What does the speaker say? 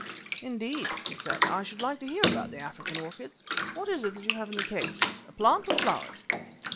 "Indeed," he said. "I should like to hear about the African orchids. What is it you have in the case, a plant or flowers?"